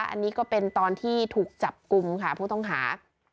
อันนี้ก็เป็นตอนที่ถูกจับกลุ่มค่ะผู้ต้องหา